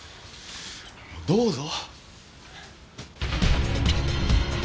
どうぞ！